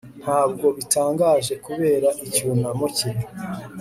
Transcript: Ntabwo bitangaje kubera icyunamo cye